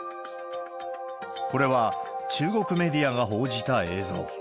これは、中国メディアが報じた映像。